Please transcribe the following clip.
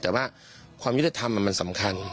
แต่ว่าความยุติธรรมมันสำคัญ